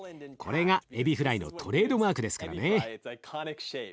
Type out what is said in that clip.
これがえびフライのトレードマークですからね。